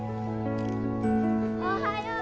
おはよう！